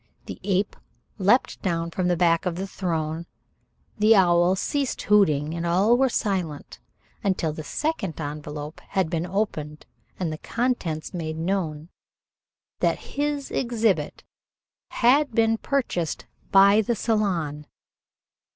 The ape leaped down from the back of the throne, the owl ceased hooting, and all were silent until the second envelope had been opened and the contents made known that his exhibit had been purchased by the Salon.